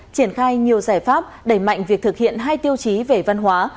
triển khai nhiều giải pháp đẩy mạnh việc thực hiện hai tiêu chí về văn hóa